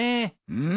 うん。